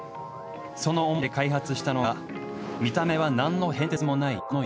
その想いで開発したのが見た目は何の変哲もないこの床。